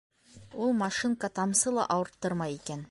Ул машинка тамсы ла ауырттырмай икән.